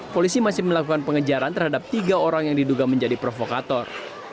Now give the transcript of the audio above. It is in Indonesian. polisi masih melakukan pengejaran terhadap tiga orang yang diduga menjadi provokator